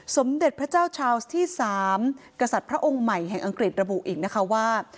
สมเด็จพระเจ้าชาวส์ที่๓กษัตริย์พระองค์ใหม่แห่งอังกฤษระบุอีกนะคะว่า